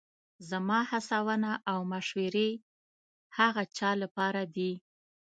زما هڅونه او مشورې هغه چا لپاره دي